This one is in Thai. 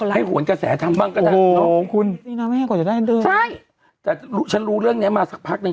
แล้วคุณทำให้กว่าจะได้อันเดิมใช่แต่รู้ฉันรู้เรื่องเนี้ยมาสักพักนึง